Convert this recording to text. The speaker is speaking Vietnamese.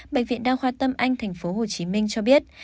bệnh viện đa khoa tâm anh tp hcm cho biết